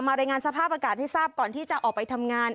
รายงานสภาพอากาศให้ทราบก่อนที่จะออกไปทำงาน